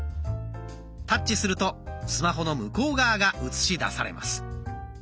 タッチするとスマホの向こう側が映し出されます。